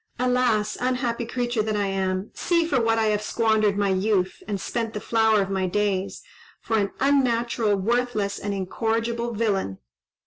Alas! unhappy creature that I am! see for what I have squandered my youth, and spent the flower of my days! For an unnatural, worthless, and incorrigible villain!"